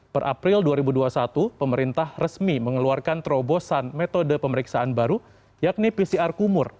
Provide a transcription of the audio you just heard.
per april dua ribu dua puluh satu pemerintah resmi mengeluarkan terobosan metode pemeriksaan baru yakni pcr kumur